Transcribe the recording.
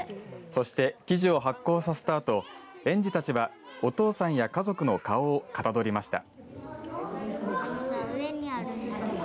そして、生地を発酵させたあと園児たちは、お父さんや家族の顔を型取りました。